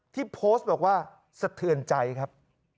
ที่โพสต์บอกว่าสะเทือนใจครับ